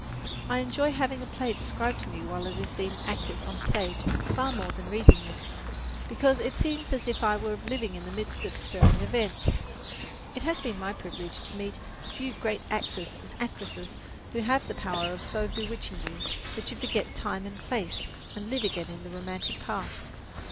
I enjoy having a play described to me while it is being acted on the stage far more than reading it, because then it seems as if I were living in the midst of stirring events. It has been my privilege to meet a few great actors and actresses who have the power of so bewitching you that you forget time and place and live again in the romantic past.